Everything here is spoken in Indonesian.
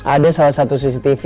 ada salah satu cctv